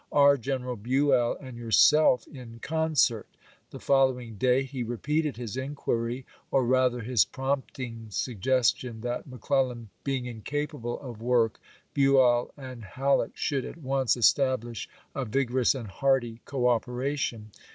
"Are General Buell and yourself in concert?" The following day he Lincoln repeated his inquiry, or rather his prompting sug ^^uSck'^ gestion that, McClellan being incapable of work, jan^i,^i862. ^^q[i ^^(J Halleck should at once establish a vig p.'526. ■' orous and hearty cooperation.